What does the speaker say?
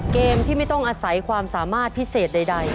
เกมที่ไม่ต้องอาศัยความสามารถพิเศษใด